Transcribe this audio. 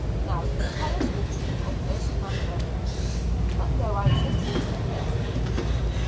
Now tell us the truth of this matter." But no answer came from the accused.